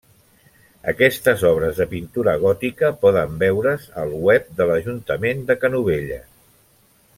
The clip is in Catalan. Aquestes obres de pintura gòtica poden veure's al web de l'Ajuntament de Canovelles.